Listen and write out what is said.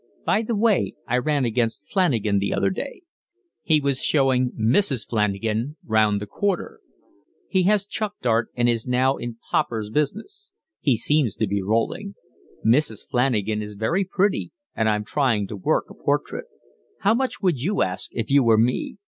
By the way, I ran against Flanagan the other day. He was showing Mrs. Flanagan round the Quarter. He has chucked art and is now in popper's business. He seems to be rolling. Mrs. Flanagan is very pretty and I'm trying to work a portrait. How much would you ask if you were me?